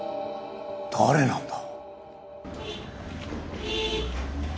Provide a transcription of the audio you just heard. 誰なんだ？